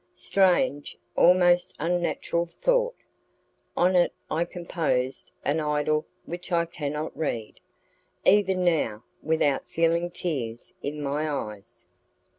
Strange, almost unnatural thought! On it I composed an idyll which I cannot read, even now, without feeling tears in my eyes.